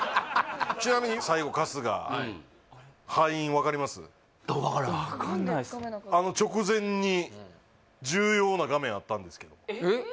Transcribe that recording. ちなみに最後春日分からん分かんないっすあの直前に重要な画面あったんですけどえっ？